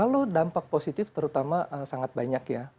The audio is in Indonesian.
kalau dampak positif terutama sangat banyak ya